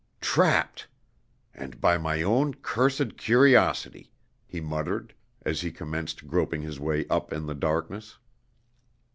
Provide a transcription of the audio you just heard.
"Trapped! and by my own cursed curiosity," he muttered, as he commenced groping his way up in the darkness.